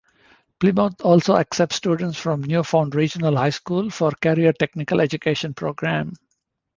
Plymouth also accepts students from Newfound Regional High School for Career Technical Education program.